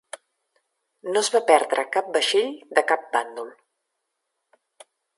No es va perdre cap vaixell de cap bàndol.